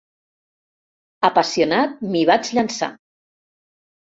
Apassionat, m'hi vaig llançar.